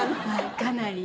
かなり。